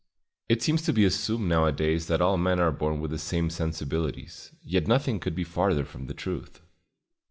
It seems to be assumed nowadays that all men are born with the same sensibilities, yet nothing could be farther from the truth."